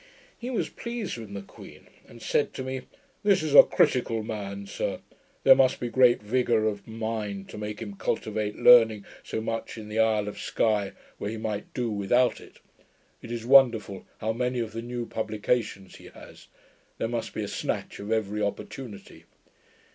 He was pleased with M'Queen and said to me, 'This is a critical man, sir. There must be great vigour of mind to make him cultivate learning so much in the isle of Sky, where he might do without it. It is wonderful how many of the new publications he has. There must be a snatch of every opportunity.'